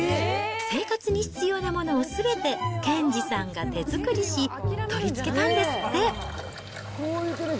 生活に必要なものをすべて兼次さんが手作りし、取り付けたんですって。